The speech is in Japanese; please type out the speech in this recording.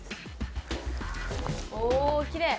おきれい！